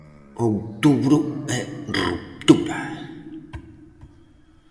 Outubro é ruptura.